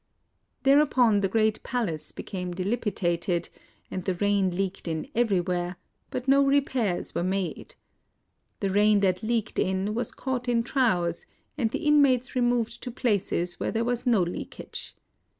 Thereupon the great palace became dilapidated, and the rain leaked in everywhere ; but no repairs were made. The rain that leaked in was caught in troughs, and the inmates removed to places where there was no leakage.